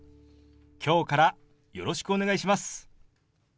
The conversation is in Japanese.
今日からよろしくお願いします。